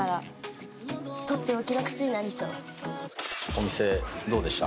お店どうでした？